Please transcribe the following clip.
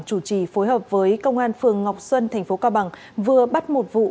chủ trì phối hợp với công an phường ngọc xuân tp cao bằng vừa bắt một vụ